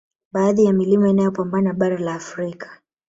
Baadhi ya Milima inayopamba bara la Afrika